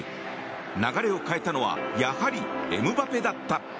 流れを変えたのはやはりエムバペだった。